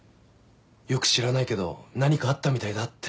「よく知らないけど何かあったみたいだ」って。